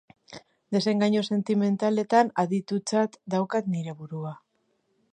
Desengainu sentimentaletan aditutzat daukat neure burua.